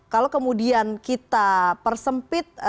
kalau kemudian kita persempit